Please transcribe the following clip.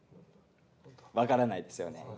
分からないですよね。